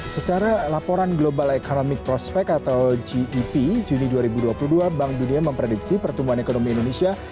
secara laporan global economic prospect atau gep juni dua ribu dua puluh dua bank dunia memprediksi pertumbuhan ekonomi indonesia